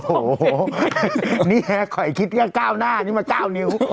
โอ้โหนี่แค่คอยคิดกับ๙หน้านี่แค่๙นิ้ว